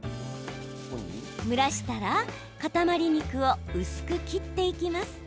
蒸らしたら、かたまり肉を薄く切っていきます。